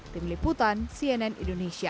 tim liputan cnn indonesia